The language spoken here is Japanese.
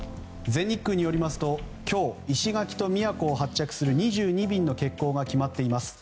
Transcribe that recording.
全日空によりますと今日、石垣と宮古を発着する２２便の欠航が決まっています。